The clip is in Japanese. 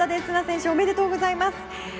せな選手おめでとうございます。